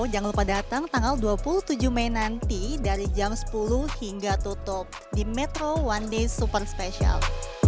jangan lupa datang tanggal dua puluh tujuh mei nanti dari jam sepuluh hingga tutup di metro one day super special